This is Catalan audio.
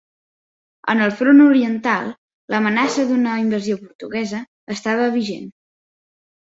En el front oriental l'amenaça d'una invasió portuguesa estava vigent.